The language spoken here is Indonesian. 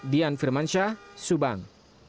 dian firmansyah subang